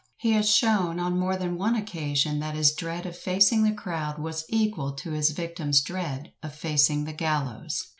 He has shown, on more than one occasion, that his dread of facing the crowd was equal to his victim's dread of facing the gallows.